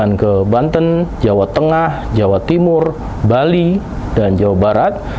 kemudian ke banten jawa tengah jawa timur bali dan jawa barat